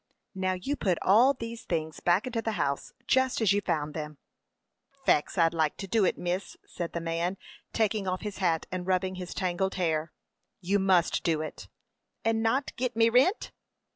"Now you put all these things back into the house just as you found them." "Faix, I'd like to do it, miss," said the man, taking off his hat and rubbing his tangled hair. "You must do it." "And not git me rint?"